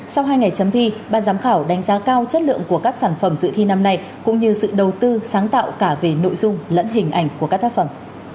sau hai ngày chấm thi ban giám khảo đánh giá cao chất lượng của các sản phẩm dự thi năm nay cũng như sự đầu tư sáng tạo cả về nội dung lẫn hình ảnh của các tác phẩm